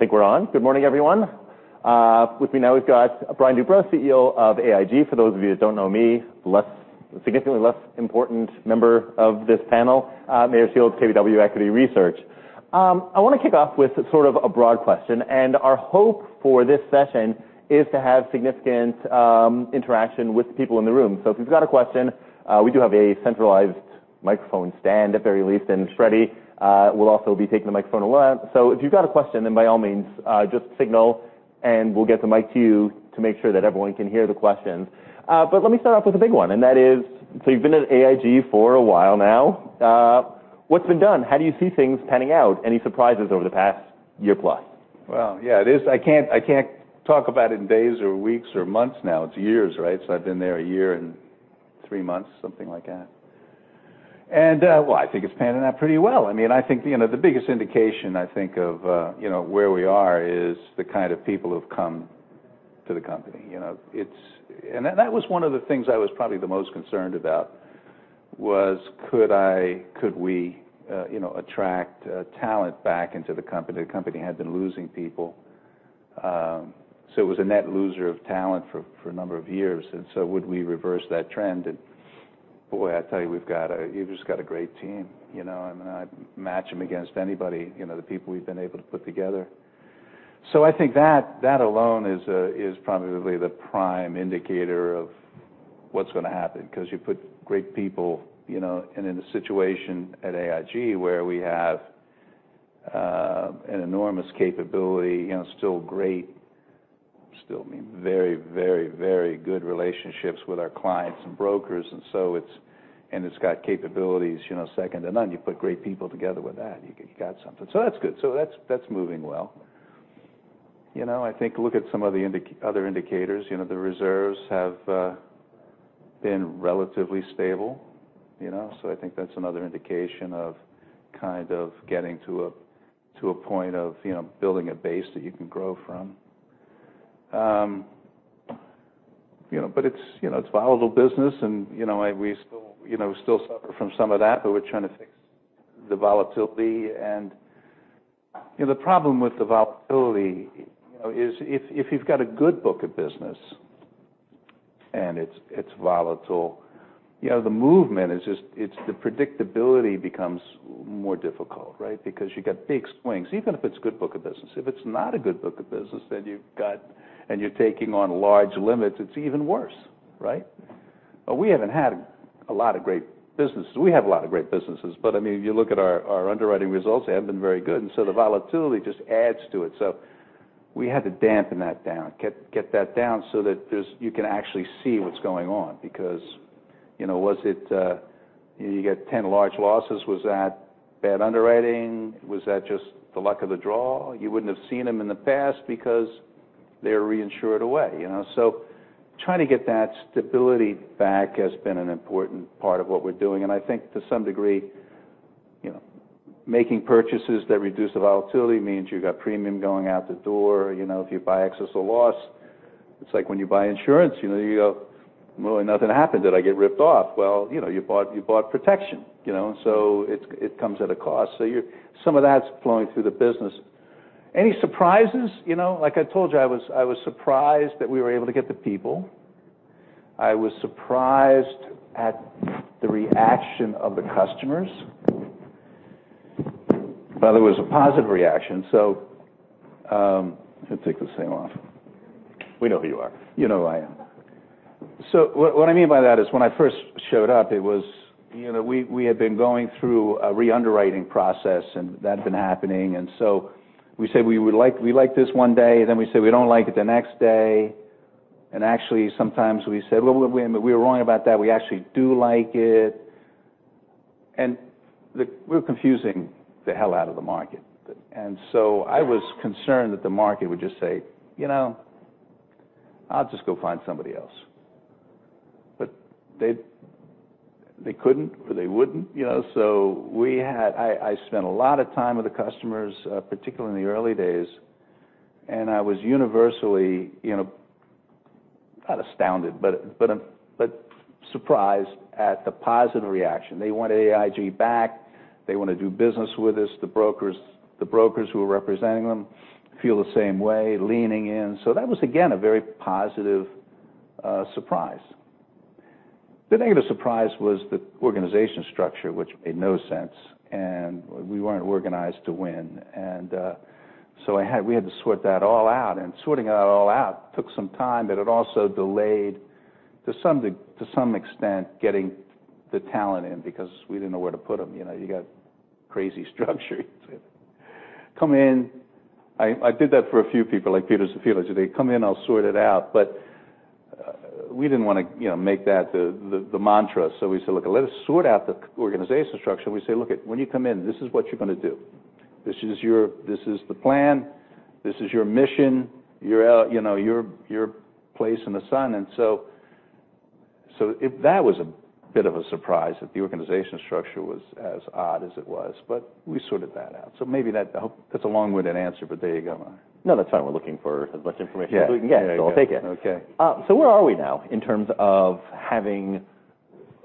I think we're on. Good morning, everyone. With me now we've got Brian Duperreault, CEO of AIG. For those of you that don't know me, significantly less important member of this panel, Meyer Shields, KBW Equity Research. I want to kick off with sort of a broad question. Our hope for this session is to have significant interaction with the people in the room. If you've got a question, we do have a centralized microphone stand at the very least, and Freddy will also be taking the microphone around. If you've got a question, by all means, just signal and we'll get the mic to you to make sure that everyone can hear the questions. Let me start off with a big one, and that is, you've been at AIG for a while now. What's been done? How do you see things panning out? Any surprises over the past year plus? Well, yeah, I can't talk about it in days or weeks or months now. It's years, right? I've been there a year and three months, something like that. Well, I think it's panning out pretty well. I think the biggest indication I think of where we are is the kind of people who've come to the company. That was one of the things I was probably the most concerned about was could we attract talent back into the company? The company had been losing people. It was a net loser of talent for a number of years. Would we reverse that trend? Boy, I tell you've just got a great team. I'd match them against anybody, the people we've been able to put together. I think that alone is probably the prime indicator of what's going to happen because you put great people in a situation at AIG where we have an enormous capability, still very good relationships with our clients and brokers, and it's got capabilities second to none. You put great people together with that, you got something. That's good. That's moving well. I think look at some of the other indicators. The reserves have been relatively stable. I think that's another indication of kind of getting to a point of building a base that you can grow from. It's a volatile business. We still suffer from some of that. We're trying to fix the volatility. The problem with the volatility is if you've got a good book of business, and it's volatile, the movement is just the predictability becomes more difficult, right? You get big swings, even if it's a good book of business. If it's not a good book of business, and you're taking on large limits, it's even worse, right? We haven't had a lot of great businesses. We have a lot of great businesses, if you look at our underwriting results, they haven't been very good, the volatility just adds to it. We had to dampen that down, get that down so that you can actually see what's going on because you get 10 large losses. Was that bad underwriting? Was that just the luck of the draw? You wouldn't have seen them in the past because they're reinsured away. Trying to get that stability back has been an important part of what we're doing, I think to some degree, making purchases that reduce the volatility means you've got premium going out the door. If you buy Excess of Loss, it's like when you buy insurance, you go, "Well, nothing happened. Did I get ripped off?" Well, you bought protection. It comes at a cost. Some of that's flowing through the business. Any surprises? Like I told you, I was surprised that we were able to get the people. I was surprised at the reaction of the customers. Well, it was a positive reaction. Let me take this thing off. We know who you are. You know who I am. What I mean by that is when I first showed up, we had been going through a re-underwriting process, that had been happening, we said we like this one day, we say we don't like it the next day. Actually, sometimes we said, "Well, wait, we were wrong about that. We actually do like it." We were confusing the hell out of the market. I was concerned that the market would just say, "I'll just go find somebody else." They couldn't, or they wouldn't. I spent a lot of time with the customers, particularly in the early days, I was universally, not astounded, but surprised at the positive reaction. They want AIG back. They want to do business with us. The brokers who are representing them feel the same way, leaning in. That was, again, a very positive surprise. The negative surprise was the organization structure, which made no sense, and we weren't organized to win. We had to sort that all out. Sorting that all out took some time, but it also delayed, to some extent, getting the talent in because we didn't know where to put them. You got crazy structure. You come in, I did that for a few people, like Peter Zaffino. They come in, I'll sort it out, but we didn't want to make that the mantra. We said, "Look, let us sort out the organization structure." We say, "Look, when you come in, this is what you're going to do. This is the plan. This is your mission, your place in the sun. That was a bit of a surprise that the organization structure was as odd as it was, but we sorted that out. Maybe that. I hope that's a long-winded answer, but there you go. No, that's fine. We're looking for as much information as we can get. Okay. Where are we now in terms of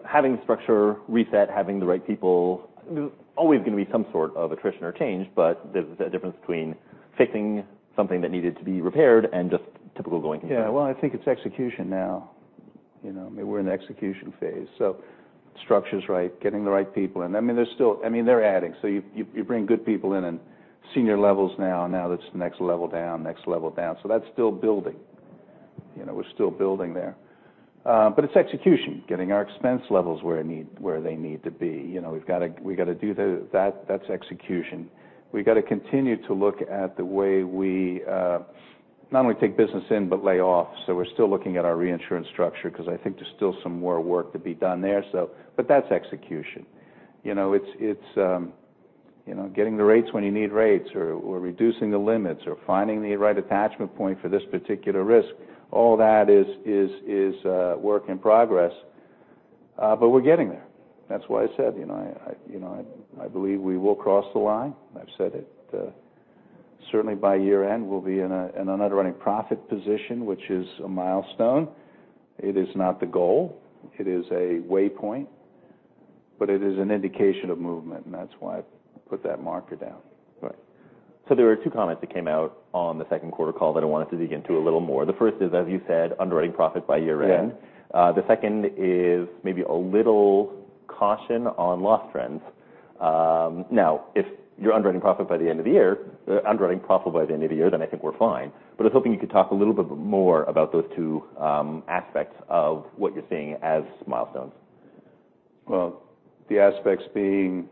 Having structure reset, having the right people, there's always going to be some sort of attrition or change, but there's a difference between fixing something that needed to be repaired and just typical going concerns. Yeah. I think it's execution now. We're in the execution phase. Structure's right, getting the right people in. They're adding. You bring good people in senior levels now it's the next level down, next level down. That's still building. We're still building there. It's execution, getting our expense levels where they need to be. We've got to do that. That's execution. We've got to continue to look at the way we not only take business in but lay off. We're still looking at our reinsurance structure because I think there's still some more work to be done there. That's execution. It's getting the rates when you need rates or reducing the limits or finding the right attachment point for this particular risk. All that is work in progress. We're getting there. That's why I said I believe we will cross the line. I've said it. Certainly by year-end, we'll be in an underwriting profit position, which is a milestone. It is not the goal. It is a waypoint. It is an indication of movement, and that's why I put that marker down. Right. There were two comments that came out on the second quarter call that I wanted to dig into a little more. The first is, as you said, underwriting profit by year-end. Yes. The second is maybe a little caution on loss trends. If you're underwriting profit by the end of the year, then I think we're fine. I was hoping you could talk a little bit more about those two aspects of what you're seeing as milestones. The aspects being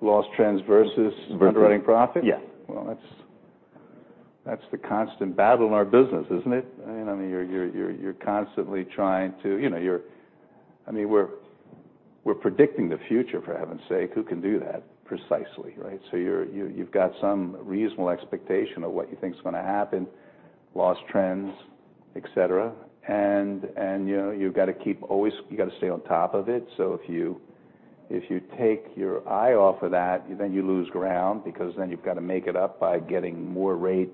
loss trends versus Versus underwriting profit? Yes. That's the constant battle in our business, isn't it? You're constantly. We're predicting the future, for heaven's sake. Who can do that precisely, right? You've got some reasonable expectation of what you think is going to happen, loss trends, et cetera. You've got to stay on top of it. If you take your eye off of that, then you lose ground because then you've got to make it up by getting more rate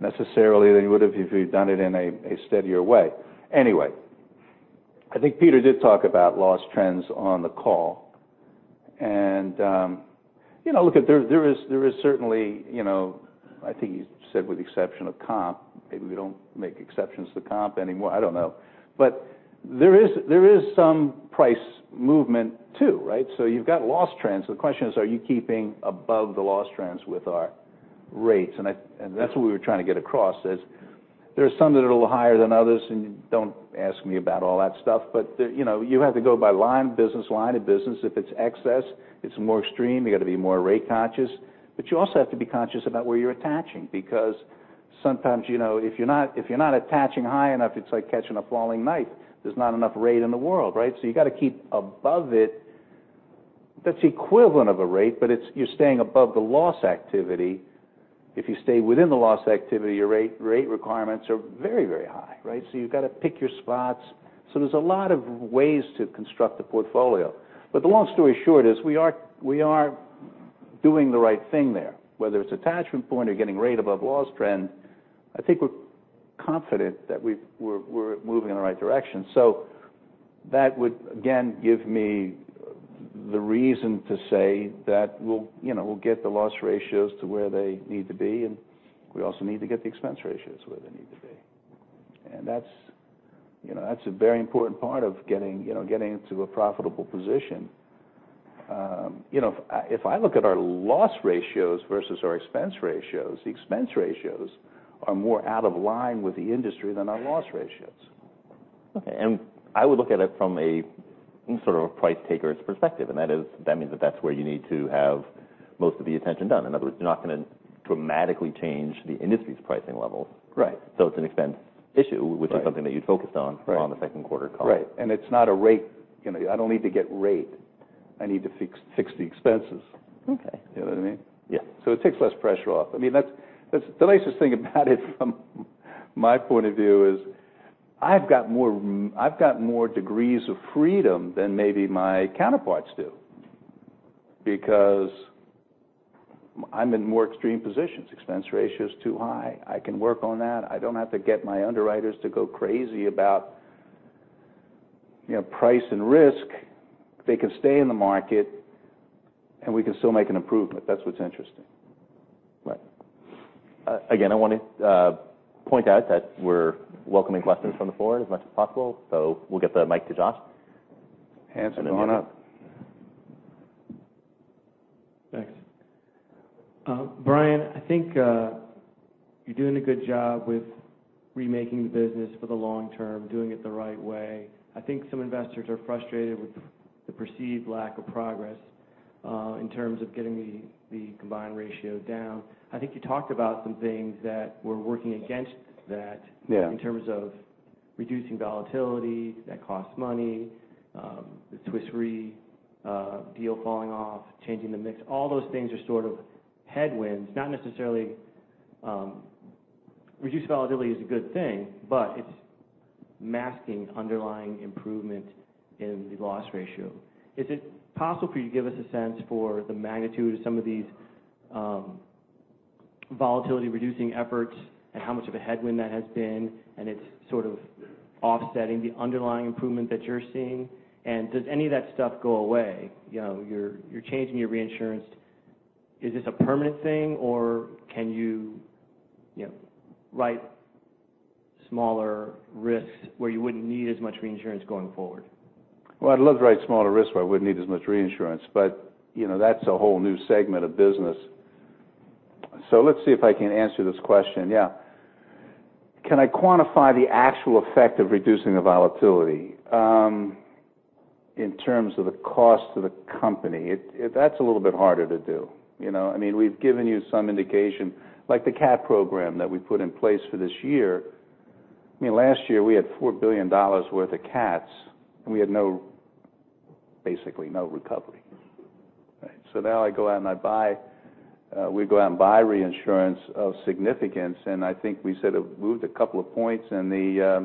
necessarily than you would've if you'd done it in a steadier way. Anyway, I think Peter did talk about loss trends on the call. Look, there is certainly, I think he said with the exception of comp, maybe we don't make exceptions to comp anymore, I don't know. There is some price movement, too, right? You've got loss trends. The question is, are you keeping above the loss trends with our rates? That's what we were trying to get across, is there are some that are a little higher than others, and don't ask me about all that stuff. You have to go by line of business, line of business. If it's excess, it's more extreme. You've got to be more rate conscious. You also have to be conscious about where you're attaching, because sometimes if you're not attaching high enough, it's like catching a falling knife. There's not enough rate in the world, right? You got to keep above it. That's equivalent of a rate, but you're staying above the loss activity. If you stay within the loss activity, your rate requirements are very, very high. You've got to pick your spots. There's a lot of ways to construct a portfolio. The long story short is we are doing the right thing there, whether it's attachment point or getting rate above loss trend, I think we're confident that we're moving in the right direction. That would, again, give me the reason to say that we'll get the loss ratios to where they need to be, and we also need to get the expense ratios where they need to be. That's a very important part of getting into a profitable position. If I look at our loss ratios versus our expense ratios, the expense ratios are more out of line with the industry than our loss ratios. Okay. I would look at it from a price taker's perspective, and that means that that's where you need to have most of the attention done. In other words, you're not going to dramatically change the industry's pricing levels. Right. It's an expense issue. Right which is something that you focused on. Right on the second quarter call. Right. It's not a rate. I don't need to get rate. I need to fix the expenses. Okay. You know what I mean? Yeah. It takes less pressure off. The nicest thing about it from my point of view is I've got more degrees of freedom than maybe my counterparts do because I'm in more extreme positions. Expense ratio's too high. I can work on that. I don't have to get my underwriters to go crazy about price and risk. They can stay in the market, and we can still make an improvement. That's what's interesting. Right. Again, I want to point out that we're welcoming questions from the floor as much as possible. We'll get the mic to Josh. Hans, come on up. Thanks. Brian, I think you're doing a good job with remaking the business for the long term, doing it the right way. I think some investors are frustrated with the perceived lack of progress in terms of getting the combined ratio down. I think you talked about some things that were working against that. Yeah In terms of reducing volatility. That costs money. The Swiss Re deal falling off, changing the mix. All those things are sort of headwinds. Reduced volatility is a good thing, but it's masking underlying improvement in the loss ratio. Is it possible for you to give us a sense for the magnitude of some of these volatility-reducing efforts and how much of a headwind that has been, and it's sort of offsetting the underlying improvement that you're seeing. Does any of that stuff go away? You're changing your reinsurance. Is this a permanent thing, or can you write smaller risks where you wouldn't need as much reinsurance going forward? I'd love to write smaller risks where I wouldn't need as much reinsurance, but that's a whole new segment of business. Let's see if I can answer this question. Yeah. Can I quantify the actual effect of reducing the volatility? In terms of the cost to the company, that's a little bit harder to do. We've given you some indication, like the catastrophe program that we put in place for this year. Last year, we had $4 billion worth of cats, and we had basically no recovery. Now we go out and buy reinsurance of significance, and I think we said it moved a couple of points in the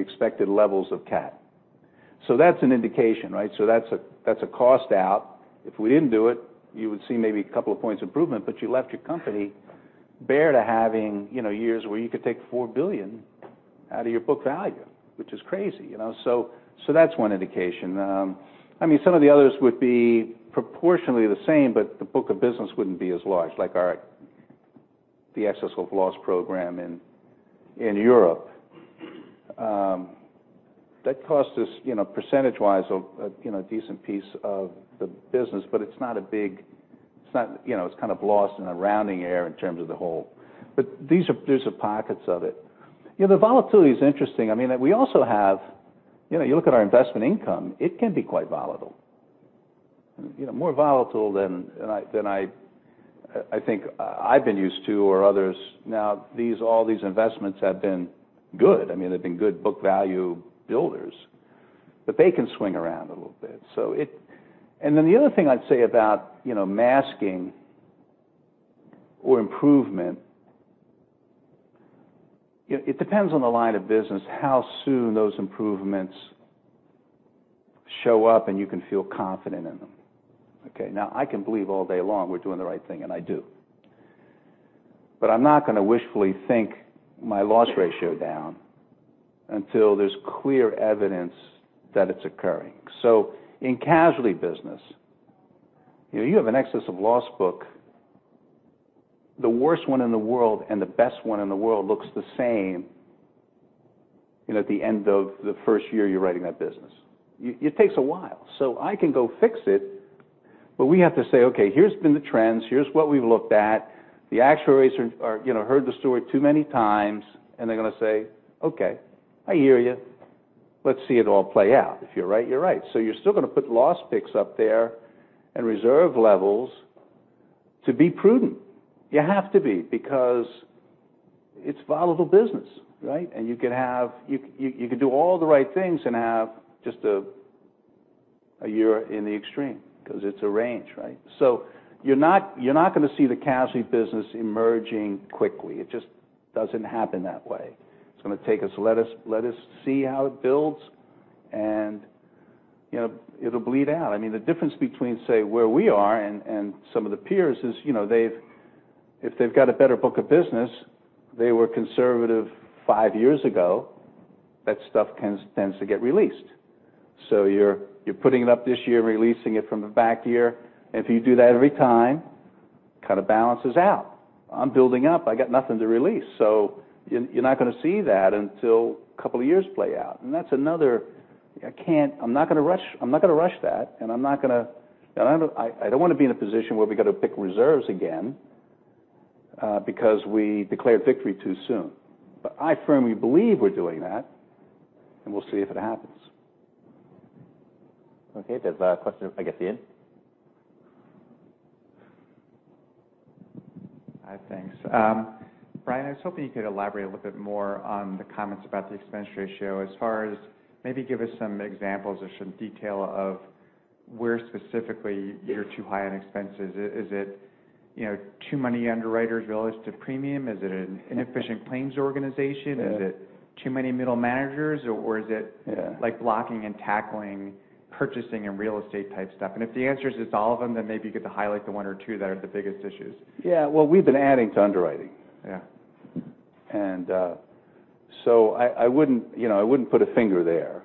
expected levels of catastrophe. That's an indication. That's a cost out. If we didn't do it, you would see maybe a couple of points improvement, you left your company bare to having years where you could take $4 billion out of your book value, which is crazy. That's one indication. Some of the others would be proportionally the same, but the book of business wouldn't be as large, like the excess of loss program in Europe. That cost us, percentage-wise, a decent piece of the business, but it's kind of lost in the rounding error in terms of the whole. These are pockets of it. The volatility is interesting. You look at our investment income, it can be quite volatile. More volatile than I think I've been used to or others. All these investments have been good. They've been good book value builders. They can swing around a little bit. The other thing I'd say about masking or improvement, it depends on the line of business, how soon those improvements show up and you can feel confident in them. Okay. I can believe all day long we're doing the right thing, and I do. I'm not going to wishfully think my loss ratio down until there's clear evidence that it's occurring. In casualty business, you have an excess of loss book. The worst one in the world and the best one in the world looks the same at the end of the first year you're writing that business. It takes a while. I can go fix it, but we have to say, okay, here's been the trends, here's what we've looked at. The actuaries have heard the story too many times, and they're going to say, "Okay, I hear you. Let's see it all play out. If you're right, you're right." You're still going to put loss picks up there and reserve levels to be prudent. You have to be because it's volatile business, right? You can do all the right things and have just a year in the extreme because it's a range. You're not going to see the casualty business emerging quickly. It just doesn't happen that way. It's going to take us. Let us see how it builds, and it'll bleed out. The difference between, say, where we are and some of the peers is if they've got a better book of business, they were conservative five years ago. That stuff tends to get released. You're putting it up this year and releasing it from the back year. If you do that every time, kind of balances out. I'm building up. I got nothing to release. You're not going to see that until a couple of years play out. That's another I'm not going to rush that, and I don't want to be in a position where we've got to pick reserves again because we declared victory too soon. I firmly believe we're doing that, and we'll see if it happens. Okay. There's a question, I guess, at the end. Hi. Thanks. Brian, I was hoping you could elaborate a little bit more on the comments about the expense ratio as far as maybe give us some examples or some detail of where specifically you're too high on expenses. Is it too many underwriters relative to premium? Is it an inefficient claims organization? Yeah. Is it too many middle managers? Yeah like blocking and tackling, purchasing and real estate type stuff? If the answer is it's all of them, maybe you get to highlight the one or two that are the biggest issues. Yeah. Well, we've been adding to underwriting. Yeah. I wouldn't put a finger there.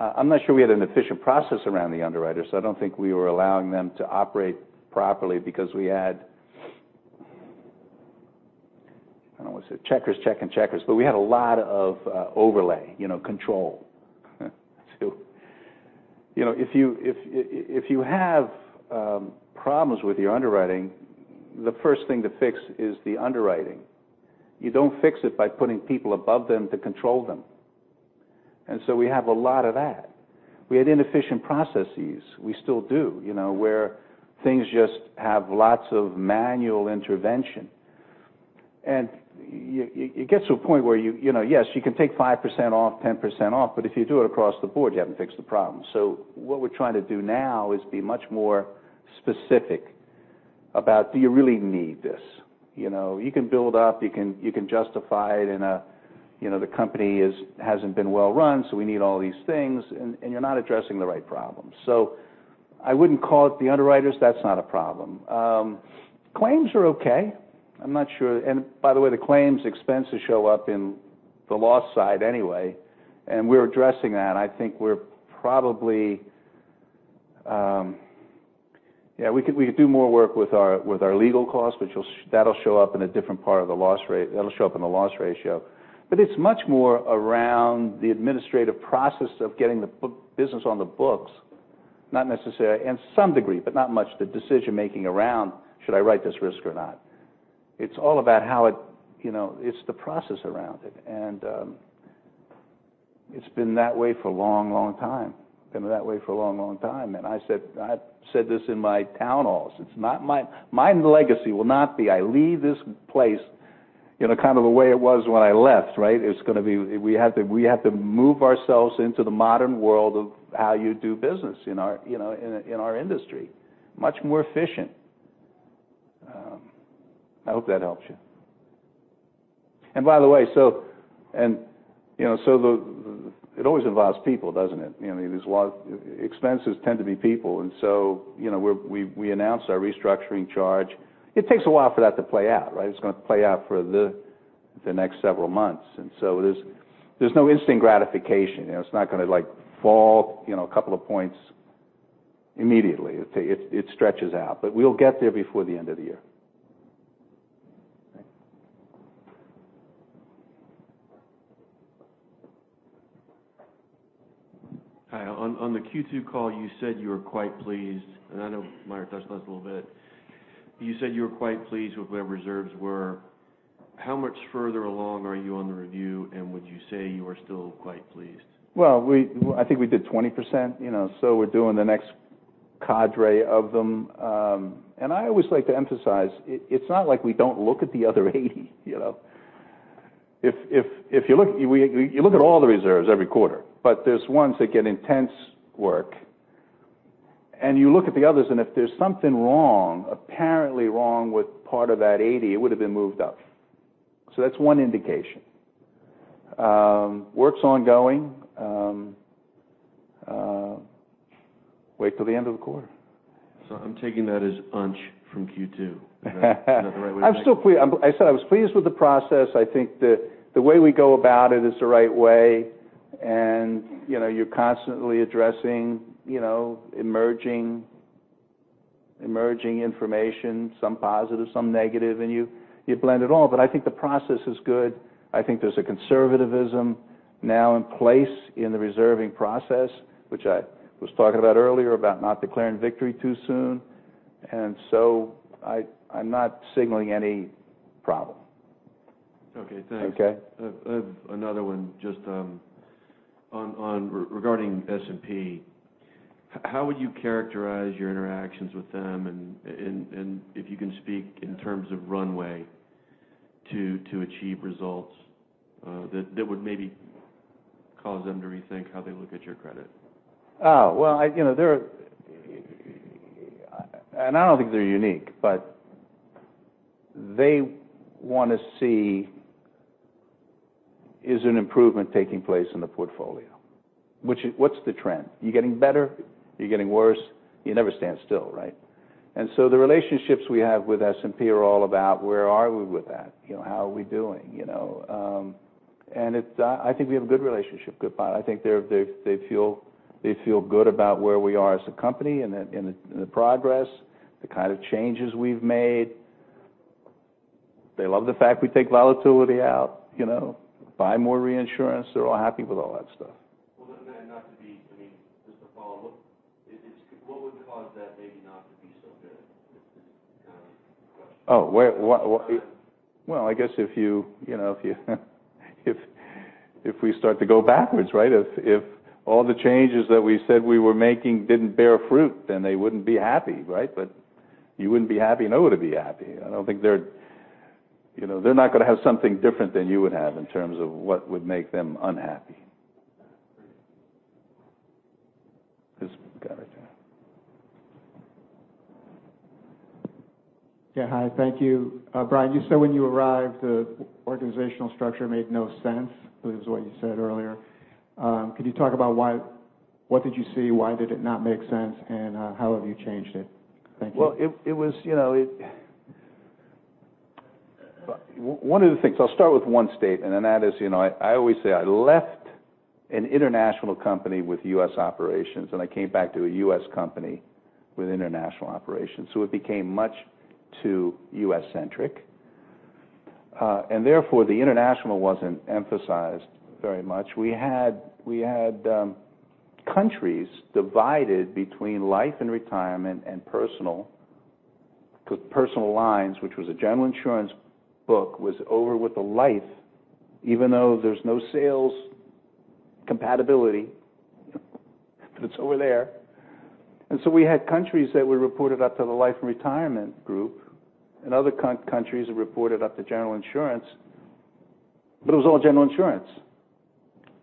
I'm not sure we had an efficient process around the underwriters. I don't think we were allowing them to operate properly because we had, I don't want to say checkers checking checkers, but we had a lot of overlay, control. If you have problems with your underwriting, the first thing to fix is the underwriting. You don't fix it by putting people above them to control them. We have a lot of that. We had inefficient processes. We still do, where things just have lots of manual intervention. It gets to a point where, yes, you can take 5% off, 10% off, but if you do it across the board, you haven't fixed the problem. What we're trying to do now is be much more specific about do you really need this? You can build up, you can justify it in a, the company hasn't been well-run, so we need all these things, and you're not addressing the right problems. I wouldn't call it the underwriters. That's not a problem. Claims are okay. I'm not sure. By the way, the claims expenses show up in the loss side anyway, and we're addressing that. I think we're probably Yeah, we could do more work with our legal costs, which that'll show up in a different part of the loss rate. That'll show up in the loss ratio. It's much more around the administrative process of getting the business on the books, In some degree but not much, the decision-making around should I write this risk or not? It's all about the process around it. It's been that way for a long time. I said this in my town halls. My legacy will not be I leave this place kind of the way it was when I left, right? We have to move ourselves into the modern world of how you do business in our industry. Much more efficient. I hope that helps you. By the way, it always involves people, doesn't it? Expenses tend to be people. We announced our restructuring charge. It takes a while for that to play out, right? It's going to play out for the next several months. There's no instant gratification. It's not going to fall a couple of points immediately. It stretches out. We'll get there before the end of the year. Okay. Hi. On the Q2 call, you said you were quite pleased. I know Meyer touched on this a little bit. You said you were quite pleased with what our reserves were. How much further along are you on the review? Would you say you are still quite pleased? I think we did 20%. We're doing the next cadre of them. I always like to emphasize, it's not like we don't look at the other 80. You look at all the reserves every quarter. There's ones that get intense work. You look at the others, if there's something wrong, apparently wrong with part of that 80, it would've been moved up. That's one indication. Work's ongoing. Wait till the end of the quarter. I'm taking that as unch from Q2. Is that the right way to take it? I said I was pleased with the process. I think that the way we go about it is the right way, you're constantly addressing emerging information, some positive, some negative, and you blend it all. I think the process is good. I think there's a conservatism now in place in the reserving process, which I was talking about earlier, about not declaring victory too soon. I'm not signaling any problem. Okay, thanks. Okay. I have another one just regarding S&P. How would you characterize your interactions with them? If you can speak in terms of runway to achieve results that would maybe cause them to rethink how they look at your credit. I don't think they're unique, but they want to see is an improvement taking place in the portfolio. What's the trend? You getting better? You getting worse? You never stand still, right? The relationships we have with S&P are all about where are we with that, how are we doing? I think we have a good relationship with them. I think they feel good about where we are as a company and the progress, the kind of changes we've made. They love the fact we take volatility out, buy more reinsurance. They're all happy with all that stuff. Well, just a follow-up. What would cause that maybe not to be so good is kind of the question. Well, I guess if we start to go backwards, right? If all the changes that we said we were making didn't bear fruit, they wouldn't be happy. You wouldn't be happy, and nobody would be happy. They're not going to have something different than you would have in terms of what would make them unhappy. Got it. Yes. Got it. Yeah. Hi. Thank you. Brian Duperreault, you said when you arrived, the organizational structure made no sense, I believe is what you said earlier. Could you talk about what did you see, why did it not make sense, and how have you changed it? Thank you. One of the things, I'll start with one statement. That is, I always say I left an international company with U.S. operations, and I came back to a U.S. company with international operations. It became much too U.S.-centric. Therefore, the international wasn't emphasized very much. We had countries divided between Life and Retirement and personal lines, which was a General Insurance book, was over with the life, even though there's no sales compatibility, but it's over there. We had countries that were reported up to the Life and Retirement group, and other countries that reported up to General Insurance. It was all General Insurance.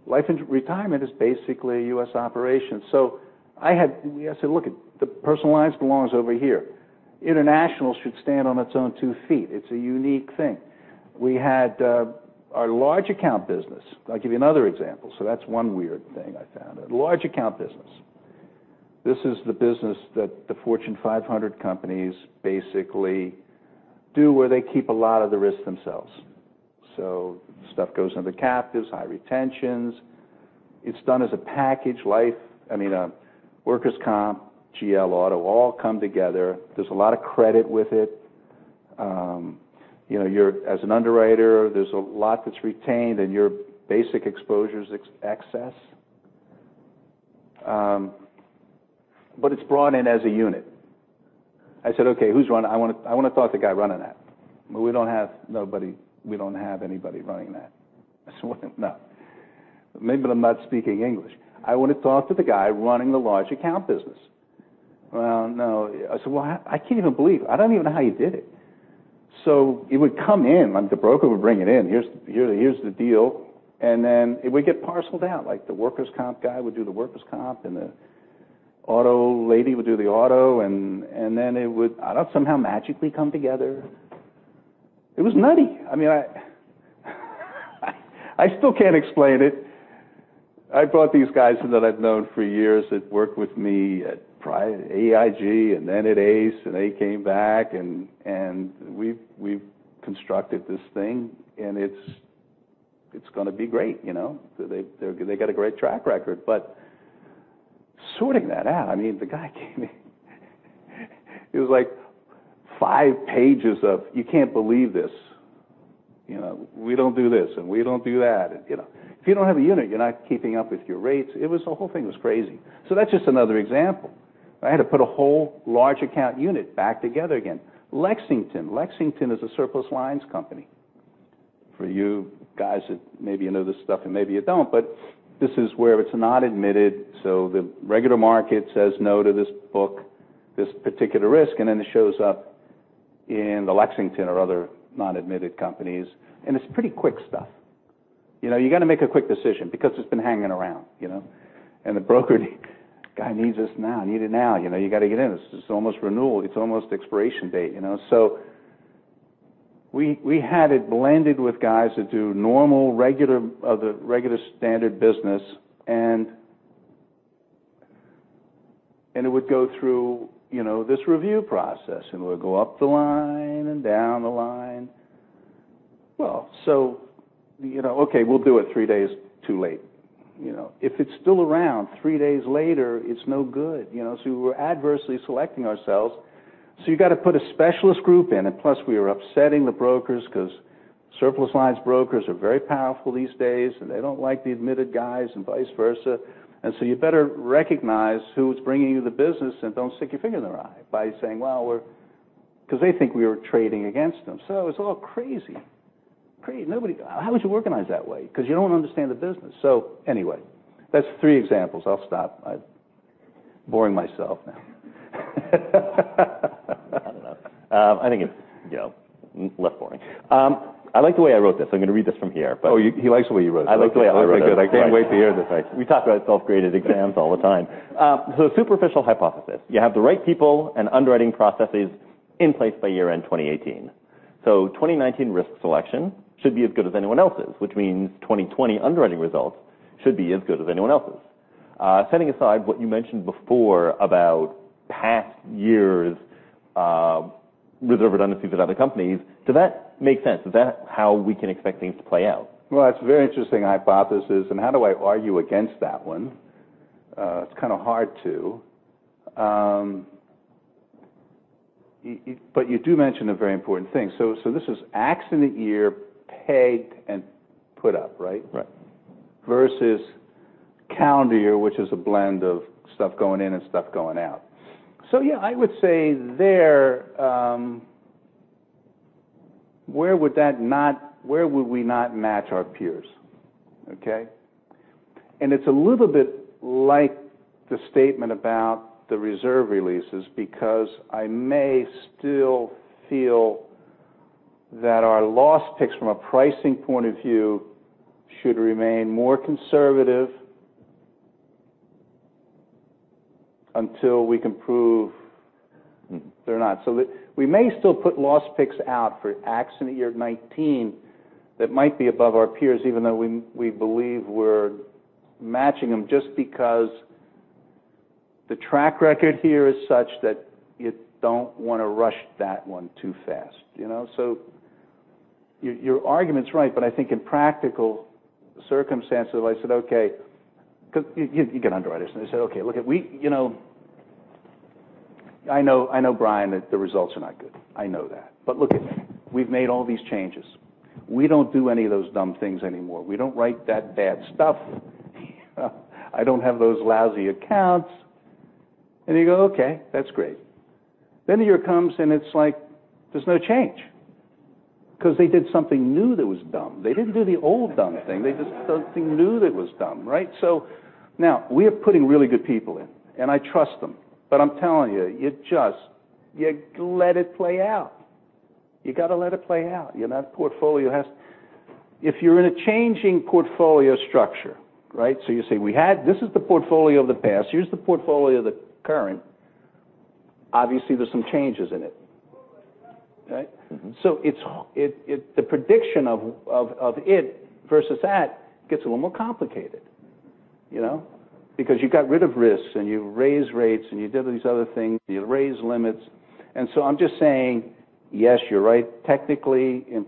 Life and Retirement is basically a U.S. operation. I said, "Look, the personal lines belongs over here. International should stand on its own two feet. It's a unique thing." We had our large account business. I'll give you another example. That's one weird thing I found. A large account business. This is the business that the Fortune 500 companies basically do, where they keep a lot of the risk themselves. Stuff goes into captives, high retentions. It's done as a package. Life, workers' comp, GL auto, all come together. There's a lot of credit with it. As an underwriter, there's a lot that's retained, and your basic exposure's excess. It's brought in as a unit. I said, "Okay. I want to talk to the guy running that." "We don't have anybody running that." I said, "No. Maybe I'm not speaking English. I want to talk to the guy running the large account business." "No." I said, "I can't even believe it. I don't even know how you did it." It would come in, the broker would bring it in, "Here's the deal." Then it would get parceled out. The workers' comp guy would do the workers' comp, the auto lady would do the auto, then it would somehow magically come together. It was nutty. I still can't explain it. I brought these guys in that I've known for years that worked with me at AIG, then at ACE, and they came back, and we've constructed this thing, and it's going to be great. They got a great track record. Sorting that out, the guy came in. It was five pages of, "You can't believe this. We don't do this, and we don't do that." If you don't have a unit, you're not keeping up with your rates. The whole thing was crazy. That's just another example. I had to put a whole large account unit back together again. Lexington. Lexington is a surplus lines company. For you guys that maybe you know this stuff and maybe you don't, but this is where it's not admitted, so the regular market says no to this book, this particular risk, and then it shows up in the Lexington or other non-admitted companies, and it's pretty quick stuff. You got to make a quick decision because it's been hanging around. The broker guy needs this now. I need it now. You got to get in. This is almost renewal. It's almost expiration date. We had it blended with guys that do normal, regular standard business, and it would go through this review process, and it would go up the line and down the line. We'll do it three days too late. If it's still around three days later, it's no good. We were adversely selecting ourselves. You got to put a specialist group in, and plus, we were upsetting the brokers because surplus lines brokers are very powerful these days, and they don't like the admitted guys, and vice versa. You better recognize who's bringing you the business and don't stick your finger in their eye by saying, "Well, we're" Because they think we were trading against them. It's all crazy. How would you organize that way? Because you don't understand the business. That's three examples. I'll stop. I'm boring myself now. I don't know. I think it's less boring. I like the way I wrote this, I'm going to read this from here. He likes the way he wrote it. I like the way I wrote it. That's good. I can't wait to hear this. We talk about self-graded exams all the time. Superficial hypothesis. You have the right people and underwriting processes in place by year-end 2018. 2019 risk selection should be as good as anyone else's, which means 2020 underwriting results should be as good as anyone else's. Setting aside what you mentioned before about past years' reserve redundancies at other companies, does that make sense? Is that how we can expect things to play out? Well, that's a very interesting hypothesis, and how do I argue against that one? It's kind of hard to. You do mention a very important thing. This is accident year pegged and put up, right? Right. Versus calendar year, which is a blend of stuff going in and stuff going out. Yeah, I would say there, where would we not match our peers? Okay. It's a little bit like the statement about the reserve releases because I may still feel that our loss picks from a pricing point of view should remain more conservative until we can prove they're not. We may still put loss picks out for accident year 2019 that might be above our peers, even though we believe we're matching them just because the track record here is such that you don't want to rush that one too fast. Your argument's right, but I think in practical circumstances, if I said, okay, because you get underwriters and they say, "Okay, look, I know, Brian, that the results are not good. I know that. Look at me. We've made all these changes. We don't do any of those dumb things anymore. We don't write that bad stuff. I don't have those lousy accounts." You go, "Okay, that's great." A year comes, and it's like there's no change because they did something new that was dumb. They didn't do the old dumb thing. They did something new that was dumb, right? Now we are putting really good people in, and I trust them, but I'm telling you just let it play out. You got to let it play out. If you're in a changing portfolio structure, right? You say, "This is the portfolio of the past, here's the portfolio of the current." Obviously, there's some changes in it, right? The prediction of it versus that gets a little more complicated. You got rid of risks, and you raised rates, and you did these other things, you raised limits. I'm just saying, yes, you're right, technically, in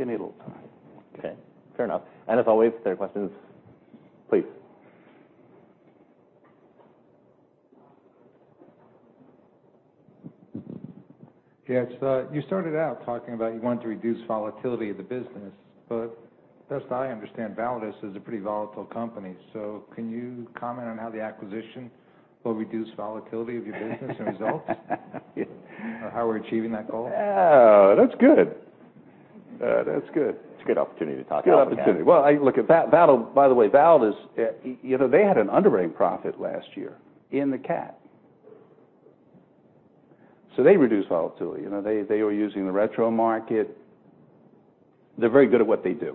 prac- Give me a little time. Okay. Fair enough. As always, if there are questions, please. Yes. You started out talking about you wanted to reduce volatility of the business, best I understand, Validus is a pretty volatile company. Can you comment on how the acquisition will reduce volatility of your business and results? Yeah. How we're achieving that goal? That's good. That's good. It's a good opportunity to talk about that. Good opportunity. By the way, Validus, they had an underwriting profit last year in the CAT. They reduced volatility. They were using the retro market. They're very good at what they do.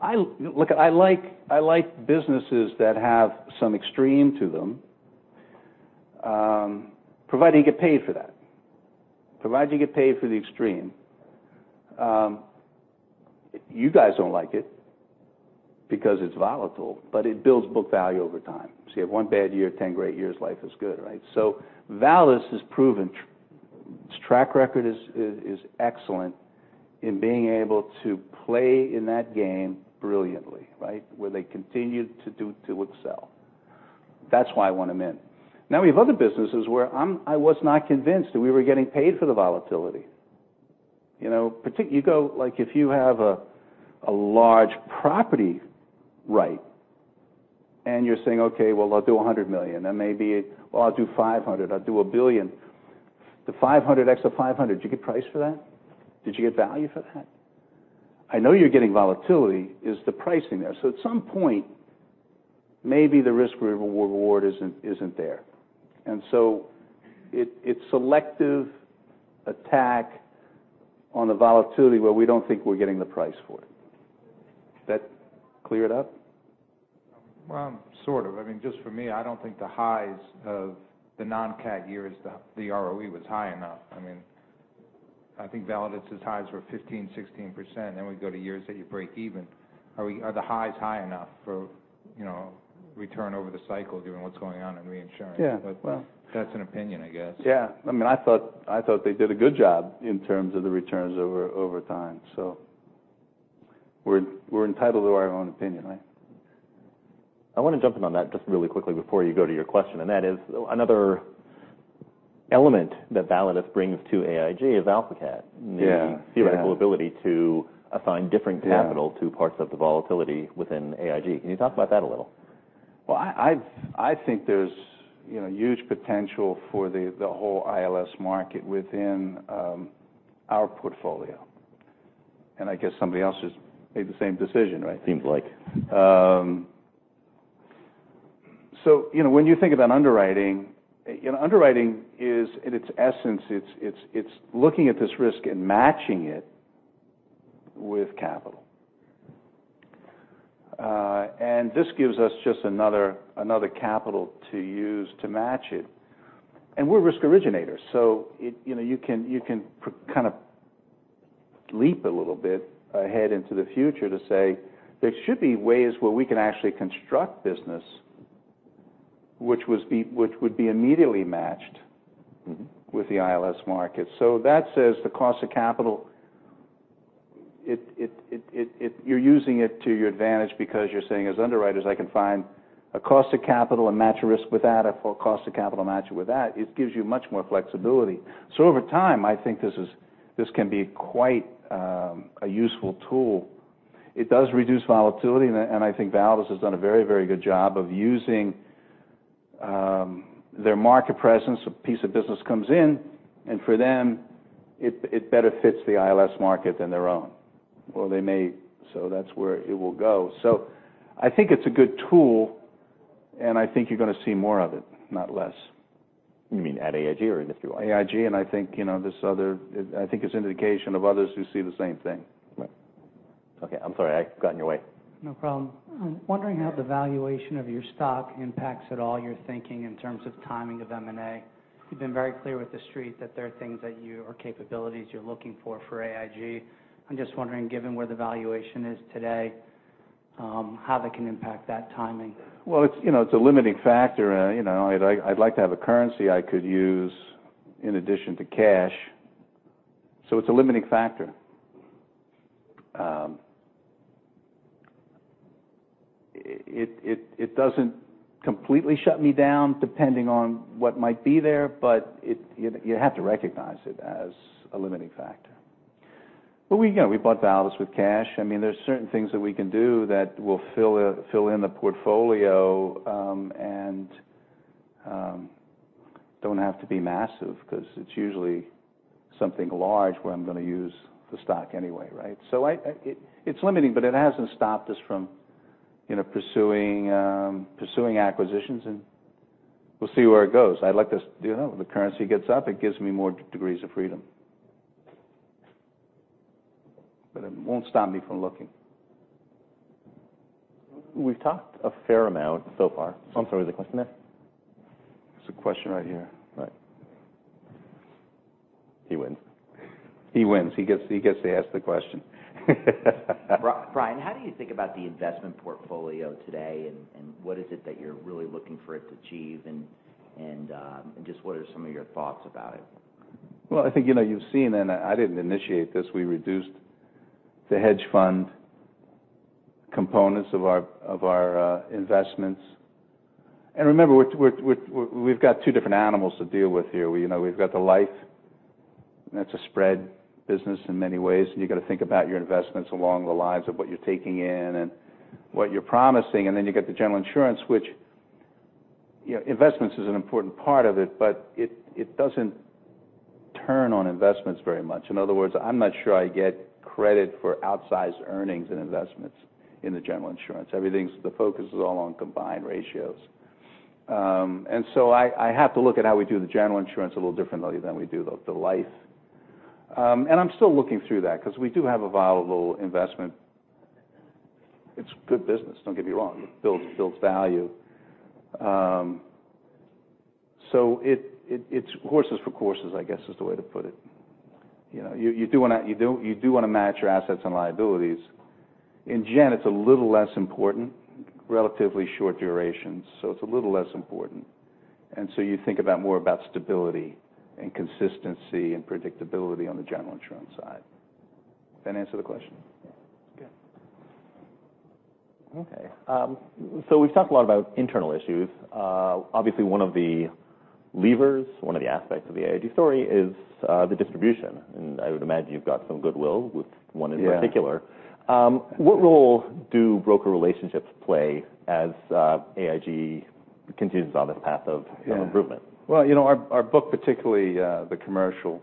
I like businesses that have some extreme to them, provided you get paid for that. Provided you get paid for the extreme. You guys don't like it because it's volatile, it builds book value over time. You have one bad year, 10 great years, life is good, right? Validus has proven, its track record is excellent in being able to play in that game brilliantly, right? Where they continue to excel. That's why I want them in. We have other businesses where I was not convinced that we were getting paid for the volatility. Like if you have a large property risk and you're saying, "Okay, well, I'll do $100 million," "Well, I'll do $500, I'll do $1 billion." The $500, extra $500, did you get price for that? Did you get value for that? I know you're getting volatility. Is the pricing there? At some point, maybe the risk reward isn't there. It's selective attack on the volatility where we don't think we're getting the price for it. That clear it up? Well, sort of. I mean, just for me, I don't think the highs of the non-CAT years, the ROE was high enough. I mean, I think Validus' highs were 15%-16%. We go to years that you break even. Are the highs high enough for return over the cycle given what's going on in reinsurance? Yeah. Well. That's an opinion, I guess. Yeah. I mean, I thought they did a good job in terms of the returns over time. We're entitled to our own opinion, right? I want to jump in on that just really quickly before you go to your question. That is another element that Validus brings to AIG is AlphaCat. Yeah. The theoretical ability to assign different. Yeah capital to parts of the volatility within AIG. Can you talk about that a little? Well, I think there's huge potential for the whole ILS market within our portfolio. I guess somebody else has made the same decision, right? Seems like. When you think about underwriting is, in its essence, it's looking at this risk and matching it with capital. This gives us just another capital to use to match it. We're risk originators, so you can kind of leap a little bit ahead into the future to say there should be ways where we can actually construct business which would be immediately matched. That says the cost of capital, you're using it to your advantage because you're saying, as underwriters, I can find a cost of capital and match a risk with that, a cost of capital and match it with that. It gives you much more flexibility. Over time, I think this can be quite a useful tool. It does reduce volatility, and I think Validus has done a very good job of using their market presence. A piece of business comes in, and for them, it better fits the ILS market than their own. That's where it will go. I think it's a good tool, and I think you're going to see more of it, not less. You mean at AIG or in industry-wide? AIG, I think it's an indication of others who see the same thing. Right. Okay. I'm sorry. I got in your way. No problem. I'm wondering how the valuation of your stock impacts at all your thinking in terms of timing of M&A. You've been very clear with the Street that there are things that you, or capabilities you're looking for AIG. I'm just wondering, given where the valuation is today, how that can impact that timing. Well, it's a limiting factor. I'd like to have a currency I could use in addition to cash. It's a limiting factor. It doesn't completely shut me down depending on what might be there, but you have to recognize it as a limiting factor. We bought Validus with cash. There's certain things that we can do that will fill in the portfolio, and don't have to be massive because it's usually something large where I'm going to use the stock anyway, right? It's limiting, but it hasn't stopped us from pursuing acquisitions, and we'll see where it goes. If the currency gets up, it gives me more degrees of freedom. It won't stop me from looking. We've talked a fair amount so far. I'm sorry, was there a question there? There's a question right here. Right. He wins. He wins. He gets to ask the question. Brian, how do you think about the investment portfolio today, and what is it that you're really looking for it to achieve, and just what are some of your thoughts about it? Well, I think you've seen, and I didn't initiate this, we reduced the hedge fund components of our investments. Remember, we've got two different animals to deal with here. We've got the Life, and that's a spread business in many ways, and you got to think about your investments along the lines of what you're taking in and what you're promising. You've got the General Insurance, which investments is an important part of it, but it doesn't turn on investments very much. In other words, I'm not sure I get credit for outsized earnings and investments in the General Insurance. The focus is all on combined ratios. I have to look at how we do the General Insurance a little differently than we do the Life. I'm still looking through that because we do have a viable investment. It's good business, don't get me wrong. It builds value. It's horses for courses, I guess is the way to put it. You do want to match your assets and liabilities. In Gen, it's a little less important, relatively short durations, so it's a little less important. You think more about stability and consistency and predictability on the General Insurance side. That answer the question? Yeah. Good. Okay. We've talked a lot about internal issues. Obviously, one of the levers, one of the aspects of the AIG story is the distribution, and I would imagine you've got some goodwill with one in particular. Yeah. What role do broker relationships play as AIG continues on this path of improvement? Well, our book, particularly the commercial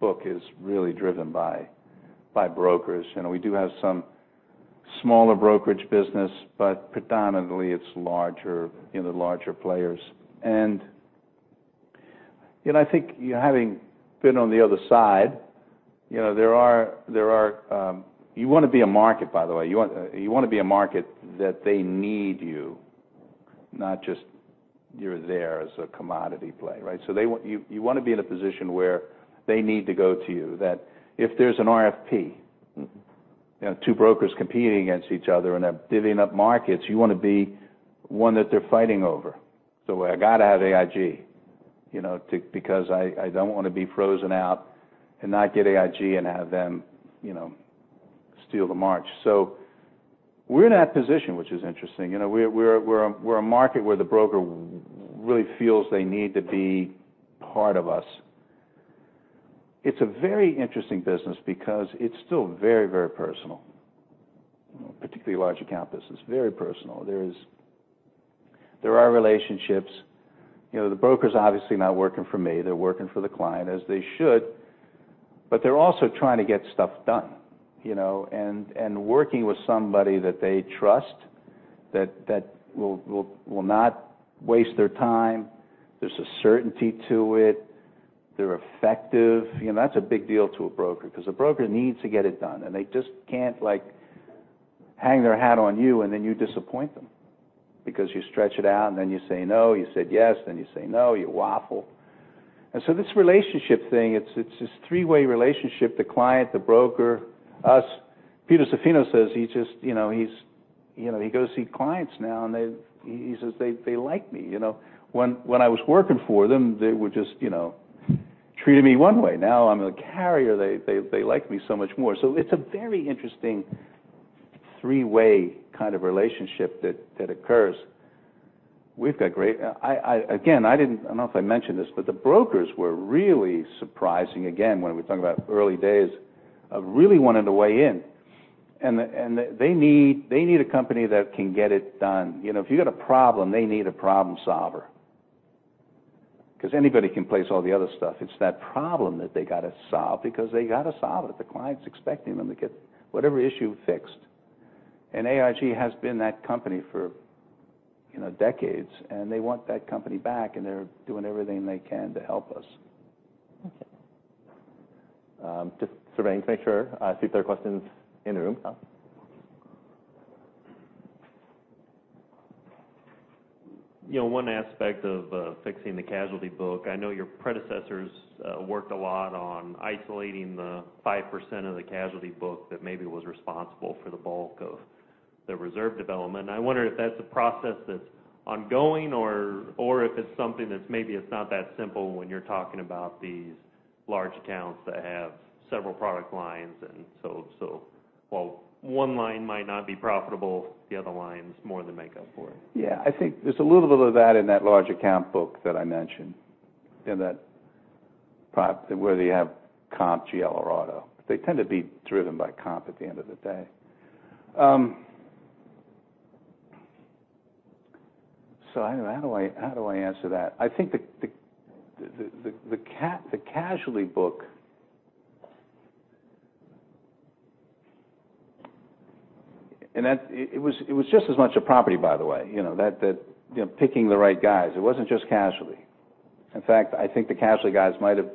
book, is really driven by brokers. We do have some smaller brokerage business, but predominantly it's larger players. I think having been on the other side, you want to be a market, by the way, you want to be a market that they need you, not just you're there as a commodity play, right? You want to be in a position where they need to go to you, that if there's an RFP. Two brokers competing against each other and are divvying up markets, you want to be one that they're fighting over. "I got to have AIG because I don't want to be frozen out and not get AIG and have them steal the march." We're in that position, which is interesting. We're a market where the broker really feels they need to be part of us. It's a very interesting business because it's still very personal. Particularly large account business, very personal. There are relationships. The broker's obviously not working for me, they're working for the client, as they should, but they're also trying to get stuff done. Working with somebody that they trust, that will not waste their time. There's a certainty to it. They're effective. That's a big deal to a broker because a broker needs to get it done, and they just can't hang their hat on you, and then you disappoint them because you stretch it out, and then you say no, you said yes, then you say no, you waffle. This relationship thing, it's this three-way relationship, the client, the broker, us. Peter Zaffino says he goes to see clients now, and he says, "They like me. When I was working for them, they would just treat me one way. Now I'm a carrier, they like me so much more." It's a very interesting three-way kind of relationship that occurs. Again, I don't know if I mentioned this, the brokers were really surprising. Again, when we talk about early days, of really wanting to weigh in. They need a company that can get it done. If you got a problem, they need a problem solver because anybody can place all the other stuff. It's that problem that they got to solve because they got to solve it. The client's expecting them to get whatever issue fixed. AIG has been that company for decades, and they want that company back, and they're doing everything they can to help us. Okay. Just surveying to make sure. I see if there are questions in the room. One aspect of fixing the casualty book, I know your predecessors worked a lot on isolating the 5% of the casualty book that maybe was responsible for the bulk of the reserve development. I wonder if that's a process that's ongoing or if it's something that's maybe it's not that simple when you're talking about these large accounts that have several product lines. While one line might not be profitable, the other lines more than make up for it. Yeah. I think there's a little bit of that in that large account book that I mentioned, in that part where they have comp GL or auto. They tend to be driven by comp at the end of the day. I don't know. How do I answer that? I think the casualty book. It was just as much a property, by the way. Picking the right guys, it wasn't just casualty. In fact, I think the casualty guys might have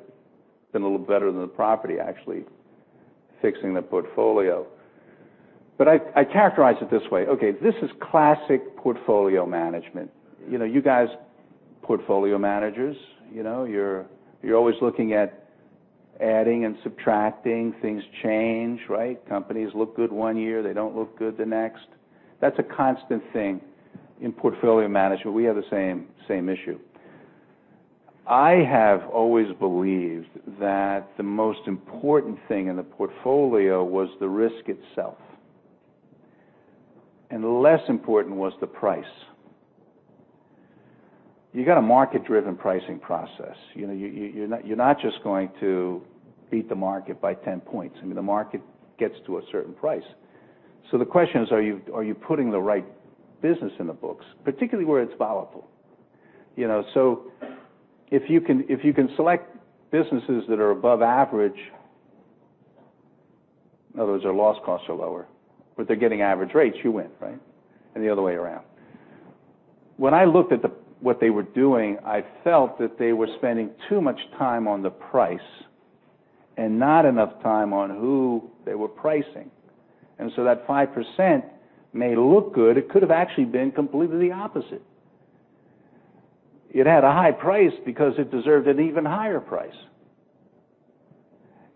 been a little better than the property, actually, fixing the portfolio. I characterize it this way. Okay, this is classic portfolio management. You guys, portfolio managers, you're always looking at adding and subtracting. Things change, right? Companies look good one year, they don't look good the next. That's a constant thing in portfolio management. We have the same issue. I have always believed that the most important thing in the portfolio was the risk itself. Less important was the price. You got a market-driven pricing process. You're not just going to beat the market by 10 points. I mean, the market gets to a certain price. The question is, are you putting the right business in the books, particularly where it's volatile? If you can select businesses that are above average, in other words, their loss costs are lower, but they're getting average rates, you win, right? The other way around. When I looked at what they were doing, I felt that they were spending too much time on the price and not enough time on who they were pricing. That 5% may look good, it could have actually been completely the opposite. It had a high price because it deserved an even higher price.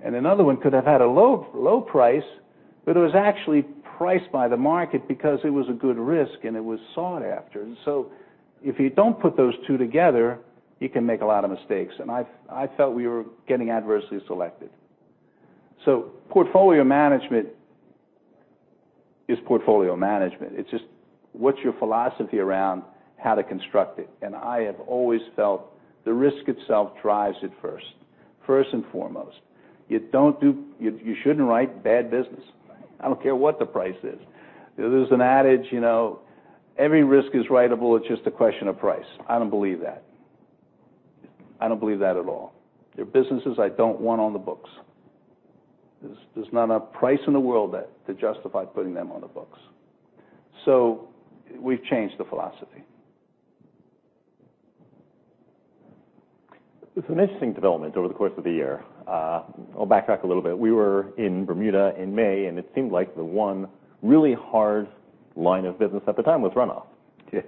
Another one could have had a low price, but it was actually priced by the market because it was a good risk, and it was sought after. If you don't put those two together, you can make a lot of mistakes. I felt we were getting adversely selected. Portfolio management is portfolio management. It's just, what's your philosophy around how to construct it? I have always felt the risk itself drives it first and foremost. You shouldn't write bad business. I don't care what the price is. There's an adage, every risk is writeable. It's just a question of price. I don't believe that. I don't believe that at all. There are businesses I don't want on the books. There's not a price in the world to justify putting them on the books. We've changed the philosophy. It's an interesting development over the course of the year. I'll backtrack a little bit. We were in Bermuda in May, it seemed like the one really hard line of business at the time was runoff. Yeah.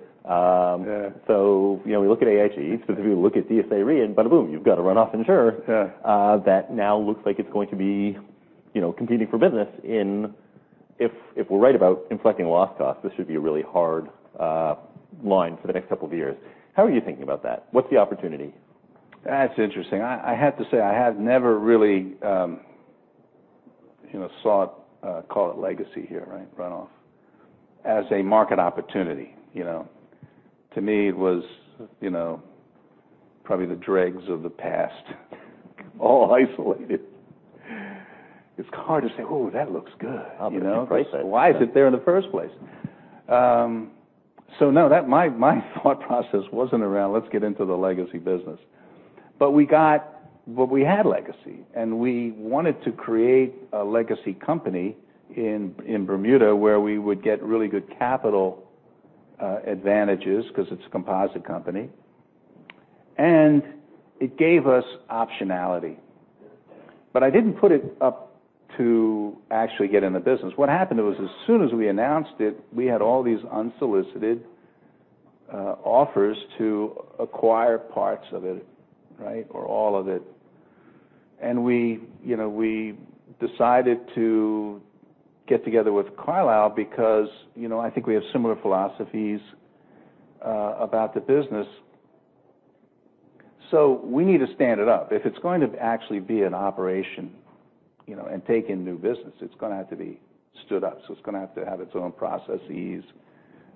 We look at AIG, specifically we look at DSA Re and bada boom, you've got a runoff insurer. Yeah That now looks like it's going to be competing for business in, if we're right about inflecting loss cost, this should be a really hard line for the next couple of years. How are you thinking about that? What's the opportunity? That's interesting. I have to say, I have never really sought, call it legacy here, right, runoff, as a market opportunity. To me, it was probably the dregs of the past, all isolated. It's hard to say, "Ooh, that looks good. I'll give you the price then. Why is it there in the first place? No, my thought process wasn't around let's get into the legacy business. We had legacy, and we wanted to create a legacy company in Bermuda where we would get really good capital advantages because it's a composite company. It gave us optionality. I didn't put it up to actually get in the business. What happened was as soon as we announced it, we had all these unsolicited offers to acquire parts of it, right? Or all of it. We decided to get together with Carlyle because I think we have similar philosophies about the business. We need to stand it up. If it's going to actually be an operation and take in new business, it's going to have to be stood up. It's going to have to have its own processes.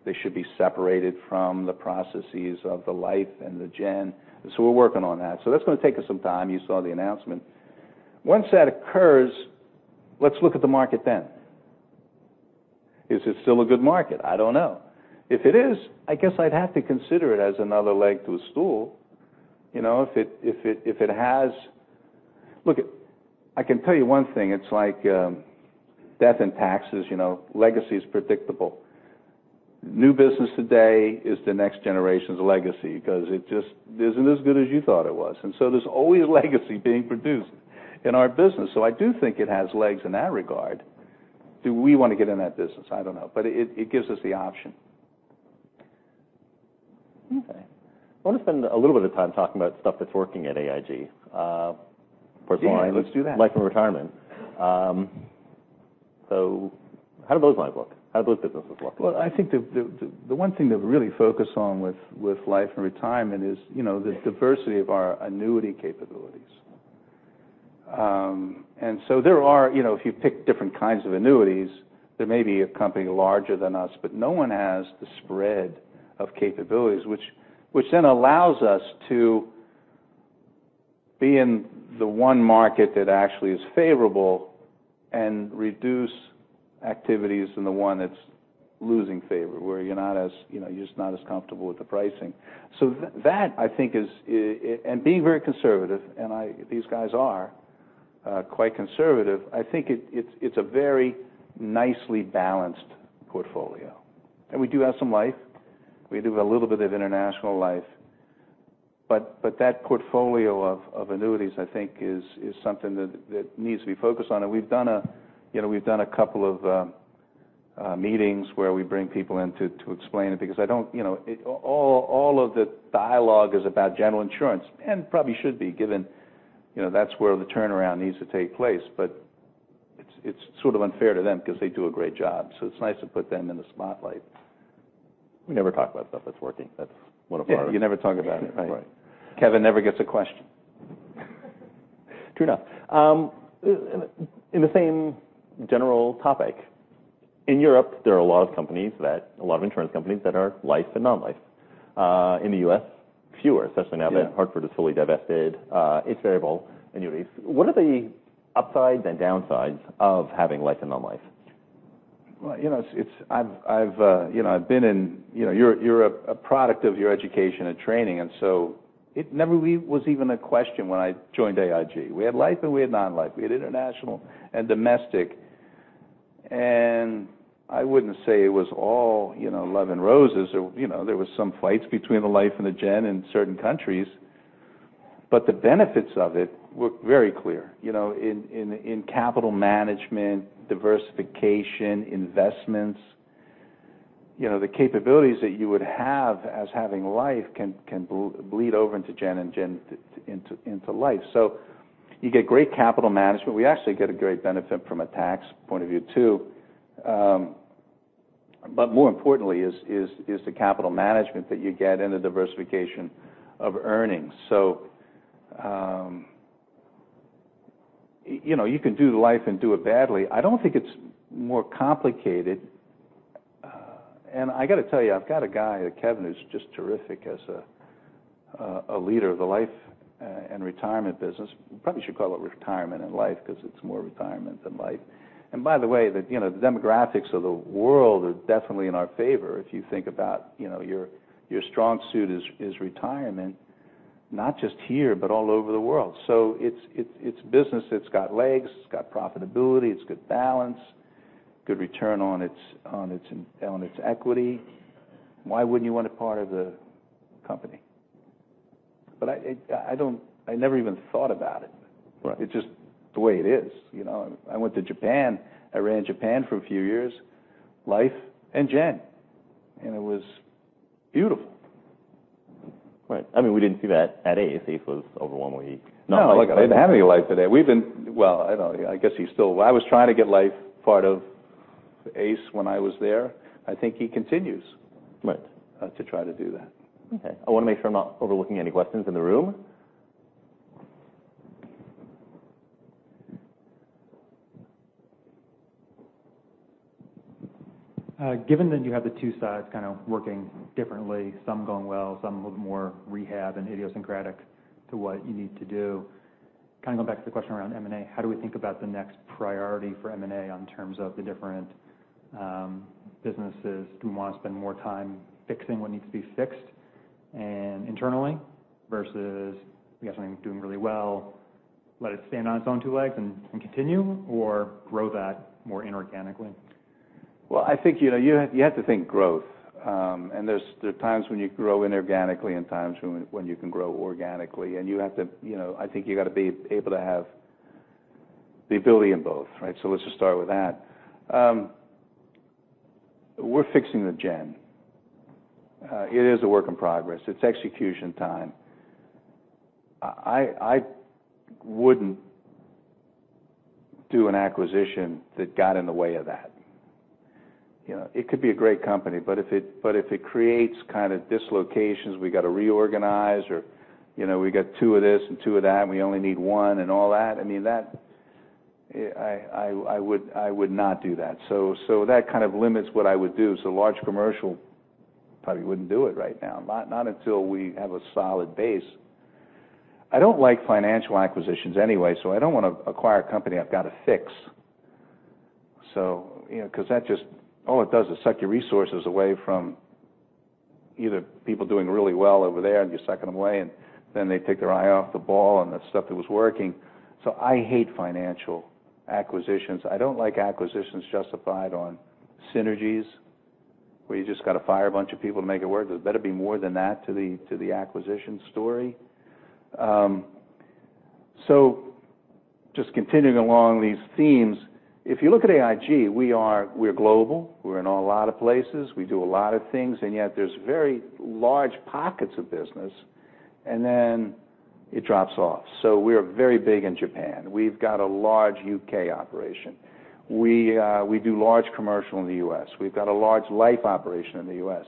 They should be separated from the processes of the Life and the Gen. We're working on that. That's going to take us some time. You saw the announcement. Once that occurs, let's look at the market then. Is it still a good market? I don't know. If it is, I guess I'd have to consider it as another leg to a stool. Look, I can tell you one thing. It's like death and taxes. Legacy is predictable. New business today is the next generation's legacy because it just isn't as good as you thought it was. There's always legacy being produced in our business. I do think it has legs in that regard. Do we want to get in that business? I don't know. It gives us the option. Okay. I want to spend a little bit of time talking about stuff that's working at AIG. Yeah. Let's do that. Life and Retirement. How do those lines look? How do those businesses look? Well, I think the one thing to really focus on with Life and Retirement is the diversity of our annuity capabilities. If you pick different kinds of annuities, there may be a company larger than us, but no one has the spread of capabilities, which then allows us to be in the one market that actually is favorable and reduce activities in the one that's losing favor, where you're just not as comfortable with the pricing. That, I think, and being very conservative, and these guys are quite conservative, I think it's a very nicely balanced portfolio. We do have some life. We do a little bit of international life. That portfolio of annuities, I think, is something that needs to be focused on. We've done a couple of meetings where we bring people in to explain it because all of the dialogue is about General Insurance, and probably should be, given that's where the turnaround needs to take place. It's sort of unfair to them because they do a great job, so it's nice to put them in the spotlight. We never talk about stuff that's working. That's one of our- You never talk about it, right. Right. Kevin never gets a question. True enough. In the same general topic, in Europe, there are a lot of insurance companies that are life and non-life. In the U.S., fewer, especially now that Hartford has fully divested its variable annuities. What are the upsides and downsides of having life and non-life? You're a product of your education and training. It never really was even a question when I joined AIG. We had life and we had non-life. We had international and domestic. I wouldn't say it was all love and roses. There was some fights between the life and the gen in certain countries. The benefits of it were very clear. In capital management, diversification, investments, the capabilities that you would have as having life can bleed over into gen and gen into life. You get great capital management. We actually get a great benefit from a tax point of view, too. More importantly is the capital management that you get and the diversification of earnings. You can do life and do it badly. I don't think it's more complicated. I got to tell you, I've got a guy, Kevin, who's just terrific as a leader of the Life and Retirement business. We probably should call it retirement and life because it's more retirement than life. By the way, the demographics of the world are definitely in our favor. If you think about your strong suit is retirement, not just here, but all over the world. It's business. It's got legs. It's got profitability. It's got balance, good return on its equity. Why wouldn't you want a part of the company? I never even thought about it. Right. It's just the way it is. I went to Japan. I ran Japan for a few years, life and gen, and it was beautiful. Right. We didn't see that at Ace. Ace was overwhelmingly non-life. No, they didn't have any Life today. I was trying to get Life part of ACE when I was there. I think he continues- Right to try to do that. Okay. I want to make sure I'm not overlooking any questions in the room. Given that you have the two sides kind of working differently, some going well, some a little bit more rehab and idiosyncratic to what you need to do, kind of going back to the question around M&A, how do we think about the next priority for M&A in terms of the different businesses? Do we want to spend more time fixing what needs to be fixed internally versus we got something doing really well, let it stand on its own two legs and continue or grow that more inorganically? Well, I think you have to think growth. There are times when you grow inorganically and times when you can grow organically, and I think you got to be able to have the ability in both, right? Let's just start with that. We're fixing the Gen. It is a work in progress. It's execution time. I wouldn't do an acquisition that got in the way of that. It could be a great company, but if it creates kind of dislocations, we got to reorganize or we got 2 of this and 2 of that, and we only need one and all that, I would not do that. That kind of limits what I would do. Large commercial, probably wouldn't do it right now. Not until we have a solid base. I don't like financial acquisitions anyway. I don't want to acquire a company I've got to fix. Because all it does is suck your resources away from either people doing really well over there and you're sucking them away, and then they take their eye off the ball on the stuff that was working. I hate financial acquisitions. I don't like acquisitions justified on synergies, where you just got to fire a bunch of people to make it work. There better be more than that to the acquisition story. Just continuing along these themes, if you look at AIG, we're global. We're in a lot of places. We do a lot of things, yet there's very large pockets of business. Then it drops off. We are very big in Japan. We've got a large U.K. operation. We do large commercial in the U.S. We've got a large life operation in the U.S.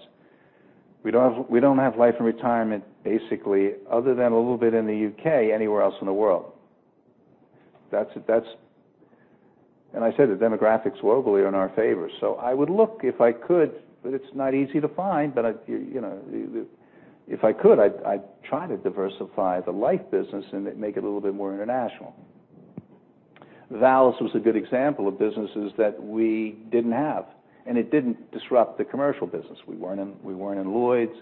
We don't have Life and Retirement, basically, other than a little bit in the U.K., anywhere else in the world. I said the demographics globally are in our favor. I would look if I could, but it's not easy to find. If I could, I'd try to diversify the life business and make it a little bit more international. Validus was a good example of businesses that we didn't have. It didn't disrupt the commercial business. We weren't in Lloyd's.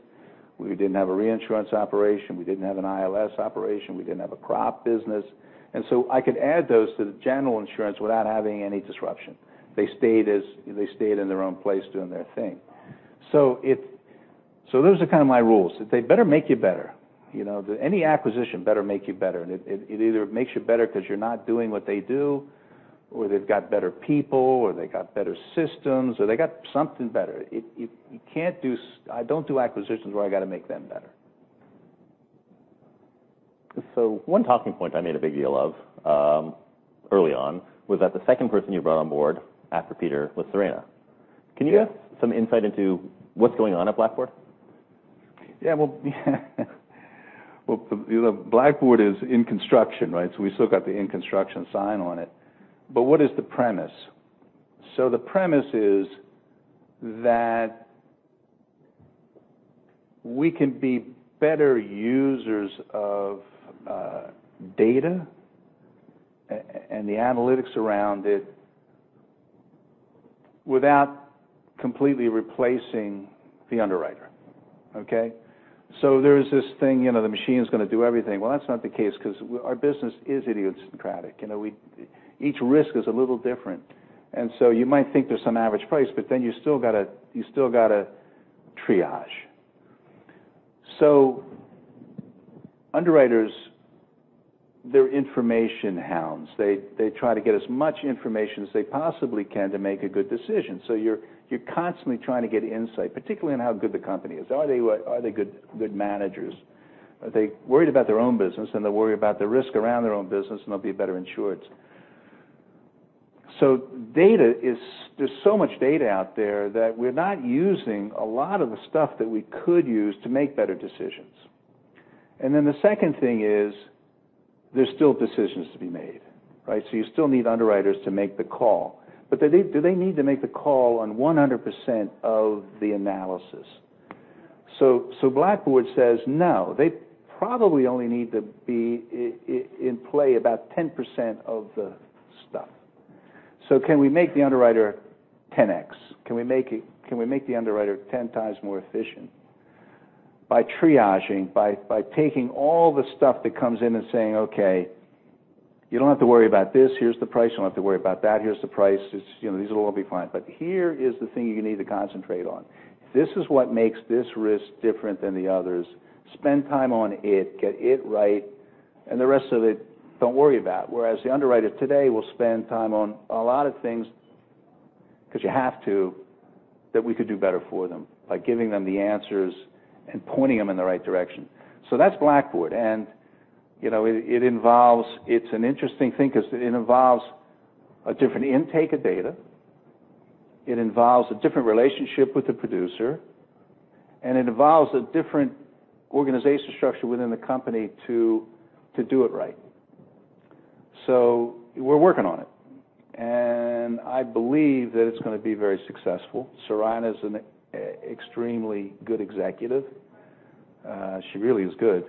We didn't have a reinsurance operation. We didn't have an ILS operation. We didn't have a crop business. I could add those to the General Insurance without having any disruption. They stayed in their own place, doing their thing. Those are kind of my rules. That they better make you better. Any acquisition better make you better. It either makes you better because you're not doing what they do or they've got better people or they got better systems or they got something better. I don't do acquisitions where I got to make them better. One talking point I made a big deal of early on was that the second person you brought on board after Peter was Seraina. Yeah. Can you give some insight into what's going on at Blackboard? Blackboard is in construction, right? We still got the in construction sign on it. What is the premise? The premise is that we can be better users of data and the analytics around it without completely replacing the underwriter. Okay? There is this thing, the machine's going to do everything. That's not the case because our business is idiosyncratic. Each risk is a little different. You might think there's some average price, you still got to triage. Underwriters, they're information hounds. They try to get as much information as they possibly can to make a good decision. You're constantly trying to get insight, particularly on how good the company is. Are they good managers? Are they worried about their own business? Then they'll worry about the risk around their own business, and they'll be a better insurance. There's so much data out there that we're not using a lot of the stuff that we could use to make better decisions. The second thing is there's still decisions to be made, right? You still need underwriters to make the call. Do they need to make the call on 100% of the analysis? Blackboard says, no, they probably only need to be in play about 10% of the stuff. Can we make the underwriter 10x? Can we make the underwriter 10 times more efficient by triaging, by taking all the stuff that comes in and saying, "Okay, you don't have to worry about this. Here's the price. You don't have to worry about that. Here's the price. These will all be fine. Here is the thing you need to concentrate on. This is what makes this risk different than the others. Spend time on it, get it right, The rest of it, don't worry about." Whereas the underwriter today will spend time on a lot of things, because you have to, that we could do better for them by giving them the answers and pointing them in the right direction. That's Blackboard. It's an interesting thing because it involves a different intake of data. It involves a different relationship with the producer, It involves a different organization structure within the company to do it right. We're working on it, I believe that it's going to be very successful. Seraina's an extremely good executive. She really is good.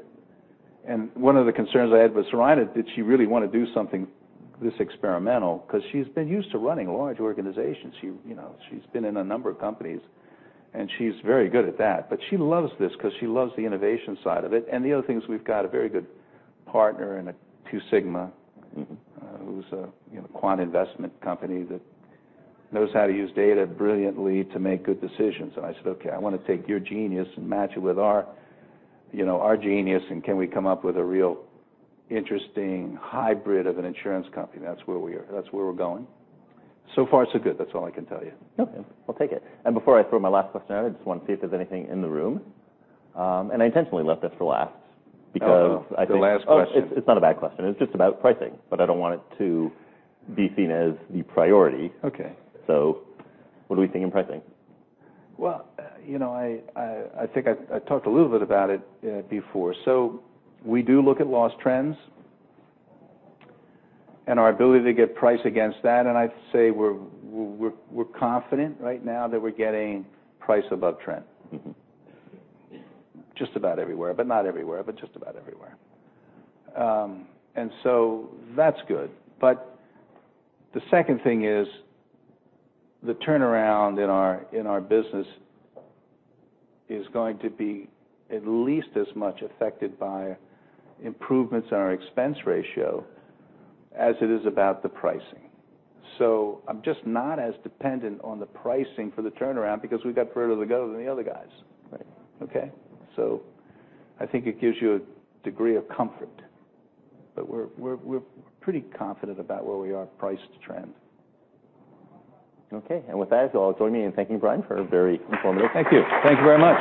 One of the concerns I had with Seraina, did she really want to do something this experimental? Because she's been used to running large organizations. She's been in a number of companies, She's very good at that. She loves this because she loves the innovation side of it. The other thing is we've got a very good partner in a Two Sigma. Who's a quant investment company that knows how to use data brilliantly to make good decisions. I said, "Okay, I want to take your genius and match it with our genius, Can we come up with a real interesting hybrid of an insurance company?" That's where we're going. Far, so good. That's all I can tell you. Okay. I'll take it. Before I throw my last question out, I just want to see if there's anything in the room. I intentionally left this for last because I think. Oh, the last question. Oh, it's not a bad question. It's just about pricing, but I don't want it to be seen as the priority. Okay. What do we think in pricing? Well, I think I talked a little bit about it before. We do look at loss trends and our ability to get price against that, and I'd say we're confident right now that we're getting price above trend. Just about everywhere, but not everywhere, but just about everywhere. That's good. The second thing is the turnaround in our business is going to be at least as much affected by improvements in our expense ratio as it is about the pricing. I'm just not as dependent on the pricing for the turnaround because we got further to go than the other guys. Right. Okay? I think it gives you a degree of comfort, but we're pretty confident about where we are price to trend. Okay. With that, you all join me in thanking Brian for a very informative- Thank you. Thank you very much